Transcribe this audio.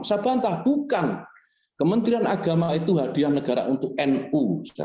saya bantah bukan kementerian agama itu hadiah negara untuk nu